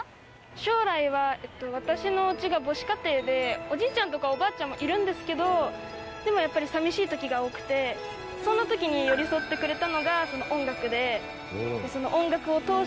将来は私のおうちが母子家庭でおじいちゃんとかおばあちゃんもいるんですけどでもやっぱり寂しい時が多くてそんな時に寄り添ってくれたのが音楽で。